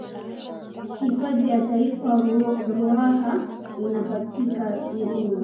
hifadhi ya taifa ruaha inapatika iringa